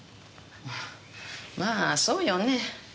まあそうよねえ。